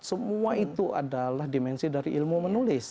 semua itu adalah dimensi dari ilmu menulis